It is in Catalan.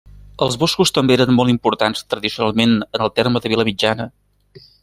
Els boscos també eren molt importants, tradicionalment, en el terme de Vilamitjana.